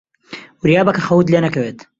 وریابە کە خەوت لێ نەکەوێت.